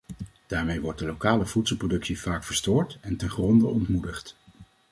Daarmee wordt de lokale voedselproductie vaak verstoord en ten gronde ontmoedigd.